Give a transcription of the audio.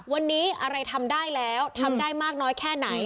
วันนี้อะไรทำได้แล้วทำได้มากน้อยแค่ไหน